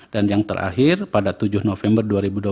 dan yang terakhir pada tujuh november dua ribu dua puluh tiga